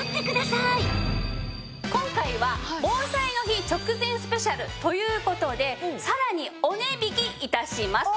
今回は防災の日直前スペシャルという事でさらにお値引き致します。